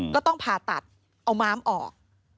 ก็ต้องผ่าตัดเอาม้ามออก